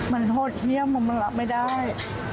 มันโหดเยี่ยมมันรับไม่ได้